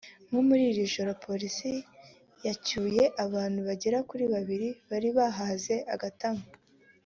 nko muri iri joro Polisi yacyuye abantu bagera kuri babiri bari bahaze agatama